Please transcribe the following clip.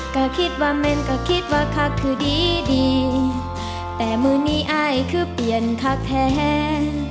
ก็คิดว่าแม่นก็คิดว่าคักคือดีดีแต่มือนี้อายคือเปลี่ยนคักแทน